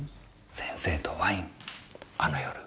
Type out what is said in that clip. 先生とワインあの夜。